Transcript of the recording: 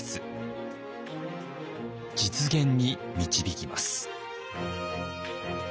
実現に導きます。